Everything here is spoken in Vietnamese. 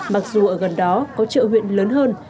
mặc dù ở gần đó có chợ huyện lớn hơn